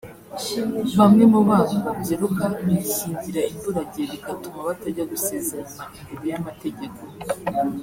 Bamwe mu bana babyiruka bishyingira imburagihe bigatuma batajya gusezerana imbere y’amategeko